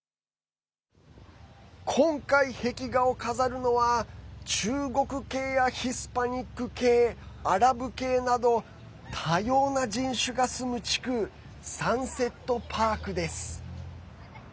今回、壁画を飾るのは中国系やヒスパニック系、アラブ系など多様な人種が住む地区サンセットパークです。